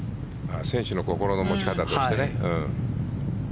選手の心の持ち方としてね。